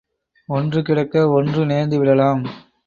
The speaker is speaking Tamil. ஒன்று கிடக்க ஒன்று நேர்ந்து விடலாம்.